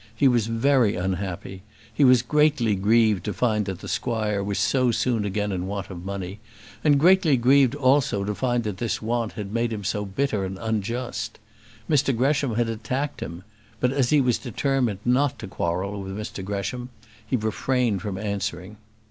He was very unhappy; he was greatly grieved to find that the squire was so soon again in want of money, and greatly grieved also to find that this want had made him so bitter and unjust. Mr Gresham had attacked him; but as he was determined not to quarrel with Mr Gresham, he refrained from answering.